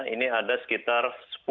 ini ada sekitar sepuluh